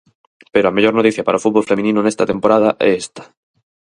Pero a mellor noticia para o fútbol feminino nesta temporada é esta.